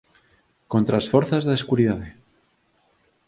Contra as forzas da escuridade